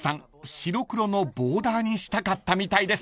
白黒のボーダーにしたかったみたいです］